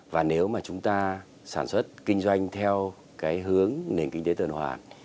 và nếu mà chúng ta sản xuất kinh doanh theo cái hướng nền kinh tế tuần hoàn